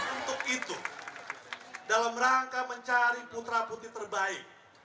untuk itu dalam rangka mencari putra putih terbaik